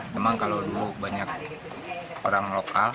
memang kalau dulu banyak orang lokal